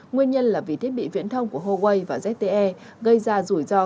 nguyên nhân là vì thiết bị viễn thông của huawei và zte gây ra rủi ro